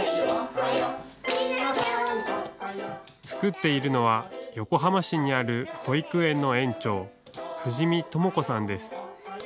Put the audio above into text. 作っているのは、横浜市にある保育園の園長、藤實智子さんです。